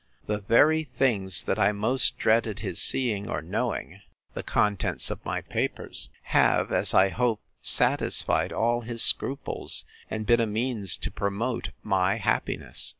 The very things that I most dreaded his seeing or knowing, the contents of my papers, have, as I hope, satisfied all his scruples, and been a means to promote my happiness.